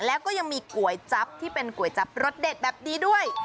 แล้วก็ยังมีก๋วยจั๊บที่เป็นก๋วยจับรสเด็ดแบบนี้ด้วย